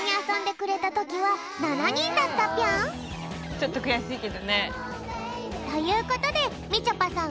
ちょっとくやしいけどね。ということでみちょぱさん